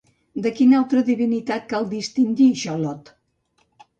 De quina altra divinitat cal distingir Xolotl?